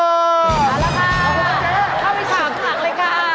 เข้าไปทำสัมหนักเลยค่ะ